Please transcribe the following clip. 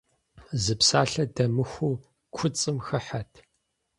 Зы псалъэ дэмыхуу куцӀым хыхьэт.